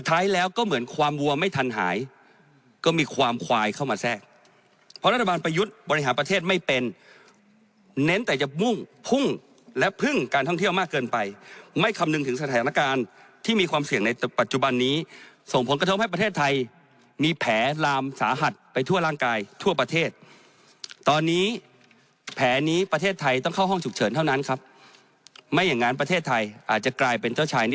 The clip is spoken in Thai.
ทันหายก็มีความควายเข้ามาแทรกเพราะรัฐบาลประยุทธ์บริหารประเทศไม่เป็นเน้นแต่จะมุ่งพุ่งและพึ่งการท่องเที่ยวมากเกินไปไม่คำนึงถึงสถานการณ์ที่มีความเสี่ยงในปัจจุบันนี้ส่งผลกระทบให้ประเทศไทยมีแผลลามสาหัสไปทั่วร่างกายทั่วประเทศตอนนี้แผลนี้ประเทศไทยต้องเข้าห้องฉุกเฉินเท